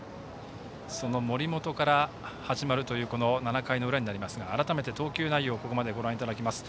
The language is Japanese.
その森本から始まるという７回の裏になりますが改めて投球内容をご覧いただきます。